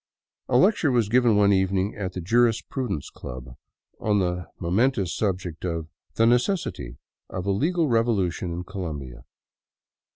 A lecture was given one evening at the Jurisprudence Club on the momentuous subject of " The Necessity of a Legal Revolution in Colombia.'